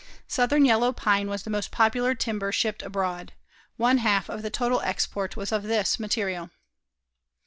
Southern yellow pine was the most popular timber shipped abroad. One half of the total export was of this material.